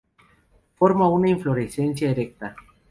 Forma una inflorescencia erecta.